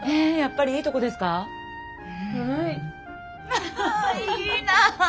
あいいな！